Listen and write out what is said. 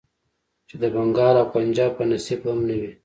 چې د بنګال او پنجاب په نصيب هم نه وې.